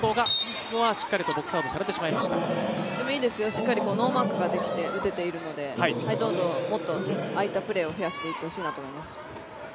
しっかりノーマークができて打てているので、どんどん、ああいったプレーを増やしてってほしいなと思います。